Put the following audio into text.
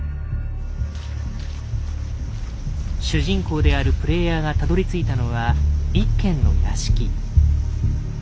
主人公であるプレイヤーがたどりついたのは一軒の屋敷。